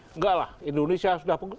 enggak lah indonesia sudah